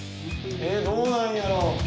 どうなんやろう？